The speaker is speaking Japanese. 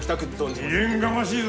未練がましいぞ。